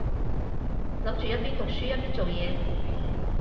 諗住一邊讀書一邊做嘢